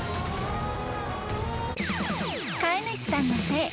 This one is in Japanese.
［飼い主さんのせい。